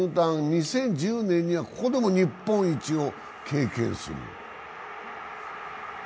２０１０年にはここでも日本一を経験する。